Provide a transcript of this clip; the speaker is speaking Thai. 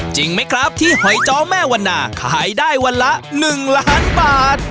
จริงไหมครับที่หอยจ้อแม่วันนาขายได้วันละ๑ล้านบาท